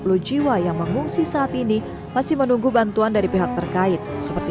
ada dan dua ratus tiga puluh jiwa yang mengungsi saat ini masih menunggu bantuan dari pihak terkait seperti